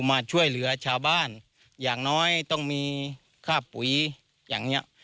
มาช่วยเหลือชาวบ้านอย่างน้อยต้องมีค่าปุ๋ยอย่างนี้